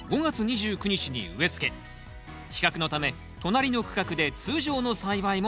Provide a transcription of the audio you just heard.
比較のため隣の区画で通常の栽培もしました。